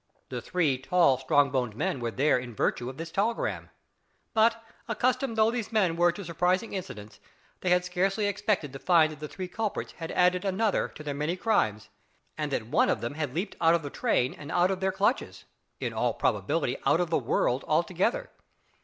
The three tall strong boned men were there in virtue of this telegram. But, accustomed though these men were to surprising incidents, they had scarcely expected to find that the three culprits had added another to their many crimes, and that one of them had leaped out of the train and out of their clutches in all probability out of the world altogether!